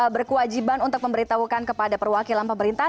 berkewajiban untuk memberitahukan kepada perwakilan pemerintah